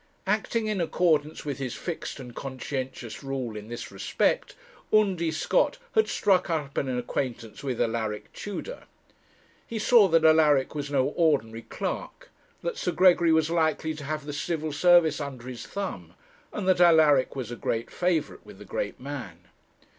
Acting in accordance with his fixed and conscientious rule in this respect, Undy Scott had struck up an acquaintance with Alaric Tudor. He saw that Alaric was no ordinary clerk, that Sir Gregory was likely to have the Civil Service under his thumb, and that Alaric was a great favourite with the great man.